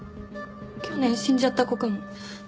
去年死んじゃった子かも。